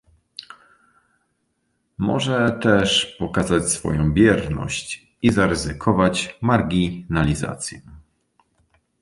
Może też pokazać swoją bierność i zaryzykować marginalizację